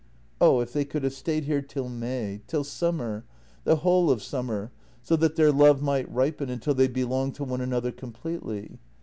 Oh, if they could have stayed here till May — till summer — the whole of summer, so that their love might ripen until they belonged to one another completely.